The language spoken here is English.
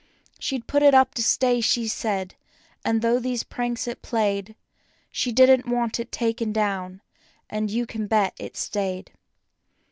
She'd put it up to stay, she said, and though these pranks it played, She didn't want it taken down, and you can bet it stayed.